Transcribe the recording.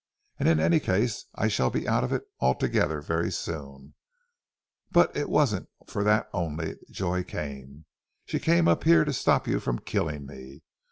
And in any case ... I shall be out of it ... altogether very soon. But it wasn't for that only ... Joy came. She came up here to stop you from killing me